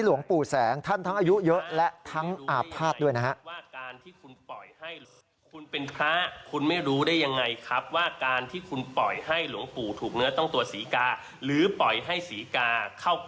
หลวงปู่แสงท่านทั้งอายุเยอะ